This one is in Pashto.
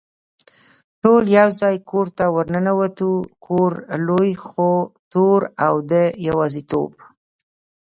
ټول یو ځای کور ته ور ننوتو، کور لوی خو تور او د یوازېتوب.